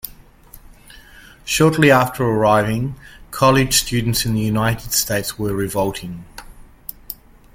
Shortly after arriving, college students in the United States were revolting.